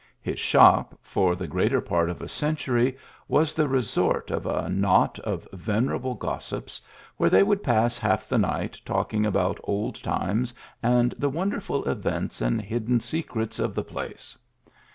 His shop, for the greater part of a century, was the resort of^a knot of venerable gossips, where they would pass naif the night talking about old times and the wonderful events and hidden secrets of the place.